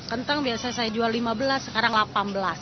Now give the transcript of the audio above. kentang biasa saya jual rp lima belas sekarang delapan belas